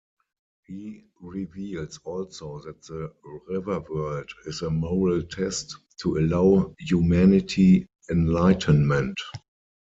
He reveals also that the Riverworld is a moral test, to allow humanity enlightenment.